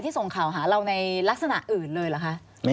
ควิทยาลัยเชียร์สวัสดีครับ